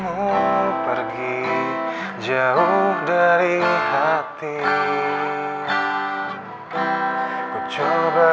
udah lah rick